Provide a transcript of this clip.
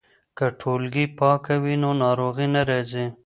که ټولګې پاکه وي نو ناروغي نه راځي.